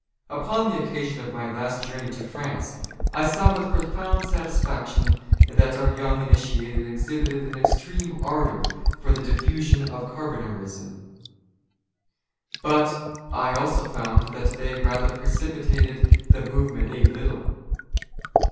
" Upon the occasion of my last journey to France, I saw " with profound satisfaction, that our young initiated exhibited " an extreme ardour for the diffusion of Carbonarism ; but I also " found that they rather precipitated the movement a little.